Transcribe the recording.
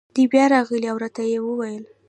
دی بیا راغی او را ته یې وویل: